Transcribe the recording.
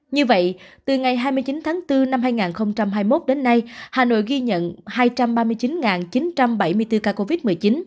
như vậy từ ngày hai mươi chín tháng bốn năm hai nghìn hai mươi một đến nay hà nội ghi nhận hai trăm ba mươi chín chín trăm bảy mươi bốn ca covid một mươi chín